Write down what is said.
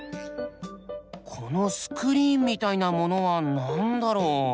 このスクリーンみたいなものは何だろう？